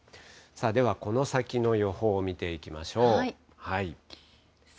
ではこの先の予報を見ていきましょう。